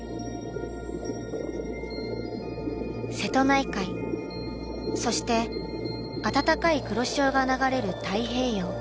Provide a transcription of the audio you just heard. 瀬戸内海そして暖かい黒潮が流れる太平洋。